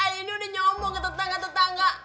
ini udah nyombong ke tetangga tetangga